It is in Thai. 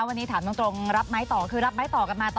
วันนี้ถามตรงรับไม้ต่อ